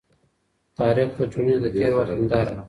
تاریخ د ټولني د تېر وخت هنداره ده.